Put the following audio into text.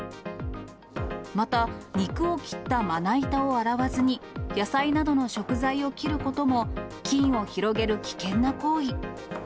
また、肉を切ったまな板を洗わずに、野菜などの食材を切ることも、菌を広げる危険な行為。